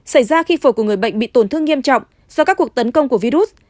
xảy ra khi phổi của người bệnh bị tổn thương nghiêm trọng do các cuộc tấn công của virus